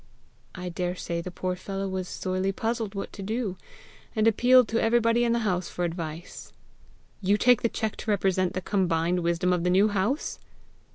"I daresay the poor fellow was sorely puzzled what to do, and appealed to everybody in the house for advice!" "You take the cheque to represent the combined wisdom of the New House?"